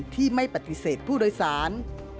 ที่ไม่ปฏิเสธผู้โดยสาร